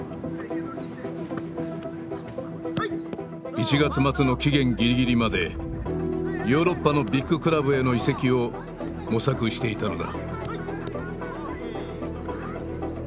１月末の期限ギリギリまでヨーロッパのビッグクラブへの移籍を模索していたのだ。